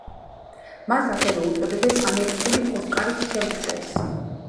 მას ასევე უწოდებენ ამერიკული ოსკარის შემცვლელს.